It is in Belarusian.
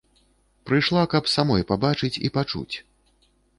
Прыйшла, каб самой пабачыць і пачуць.